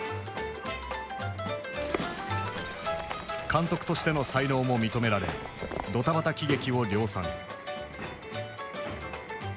監督としての才能も認められどたばた喜劇を量産。